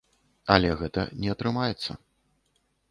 Але гэта не атрымаецца.